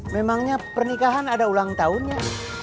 memangnya pernikahan ada ulang tahunnya